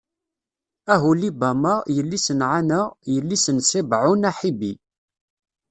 Uhulibama, yelli-s n Ɛana, yelli-s n Ṣibɛun Aḥibi.